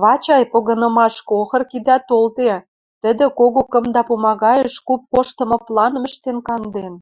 Вачай погынымашкы охыр кидӓ толде, тӹдӹ кого кымда пумагаэш куп коштымы планым ӹштен канден.